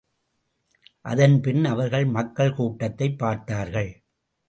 அதன்பின், அவர்கள் மக்கள் கூட்டத்தைப் பார்த்தார்கள்.